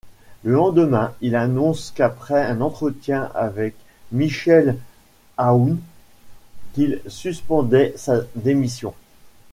Le lendemain, il annonce qu'après un entretien avec Michel Aoun, qu'il suspendait sa démission.